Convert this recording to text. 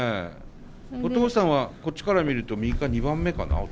お父さんはこっちから見ると右から２番目かな？